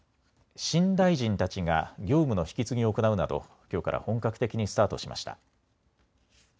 新大臣たちが業務の引き継ぎを行うなど、きょうから本格的にスタートしました。